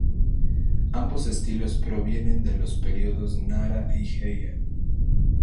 Ambos estilos provienen de los períodos Nara y Heian.